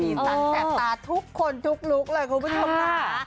สันแสบตาทุกคนทุกลุคเลยคุณผู้ชมค่ะ